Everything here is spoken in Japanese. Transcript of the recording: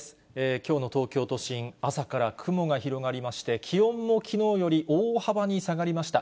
きょうの東京都心、朝から雲が広がりまして、気温もきのうより大幅に下がりました。